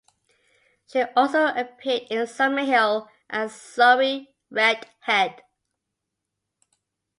She also appeared in Summerhill as Zoe Redhead.